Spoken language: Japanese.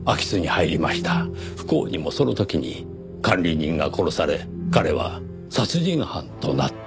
不幸にもその時に管理人が殺され彼は殺人犯となった。